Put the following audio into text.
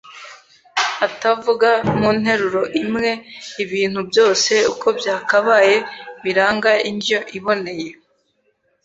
atavuga mu nteruro imwe ibintu byose uko byakabaye biranga indyo iboneye.